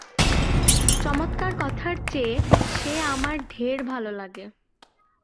চমৎকার কথার চেয়ে সে আমার ঢের ভালো লাগে।